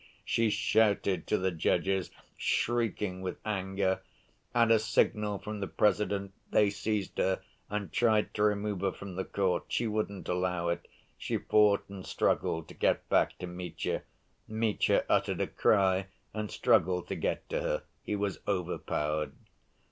she shouted to the judges, shaking with anger. At a signal from the President they seized her and tried to remove her from the court. She wouldn't allow it. She fought and struggled to get back to Mitya. Mitya uttered a cry and struggled to get to her. He was overpowered.